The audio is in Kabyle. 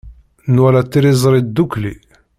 Nwala tiliẓri ddukkli.